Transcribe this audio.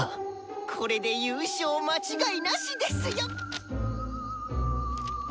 これで優勝間違いなしですよ！